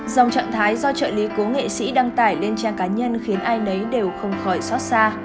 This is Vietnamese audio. dòng trạng thái do trợ lý cố nghệ sĩ đăng tải lên trang cá nhân khiến ai nấy đều không khỏi xót xa